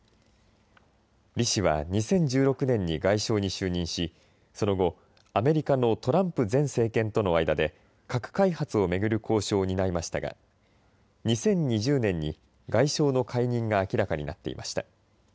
リ氏は２０１６年に外相に就任しその後、アメリカのトランプ前政権との間で核開発を巡る交渉を担いましたが２０２０年に外相の解任が明らかになっていました。